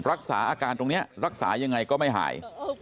รักษาอาการตรงนี้รักษายังไงก็ไม่หาย